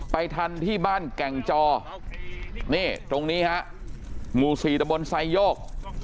ทันที่บ้านแก่งจอนี่ตรงนี้ฮะหมู่๔ตะบนไซโยก